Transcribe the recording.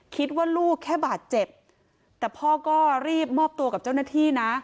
คิดว่าลูกแค่บาดเจ็บแต่พ่อก็รีบมอบตัวกับเจ้าหน้าที่นะ